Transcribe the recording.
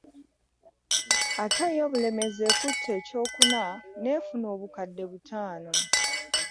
Ate yo Bulemeezi ekutte ekyokuna n'efuna obukadde butaano